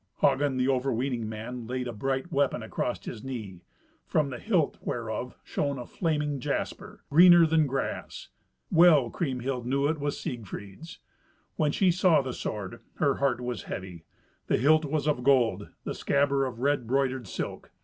Hagen, the overweening man, laid a bright weapon across his knee, from the hilt whereof shone a flaming jasper, greener than grass. Well Kriemhild knew that it was Siegfried's. When she saw the sword, her heart was heavy. The hilt was of gold, the scabbard of red broidered silk.